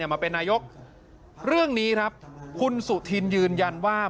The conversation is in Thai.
มาเป็นนายกเรื่องนี้ครับคุณสุธินยืนยันว่า